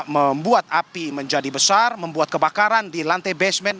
membuat api menjadi besar membuat kebakaran di lantai basement